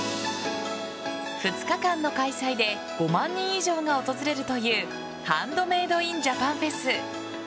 ２日間の開催で５万人以上が訪れるというハンドメイドインジャパンフェス。